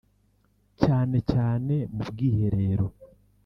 cyane cyane mu bwiherero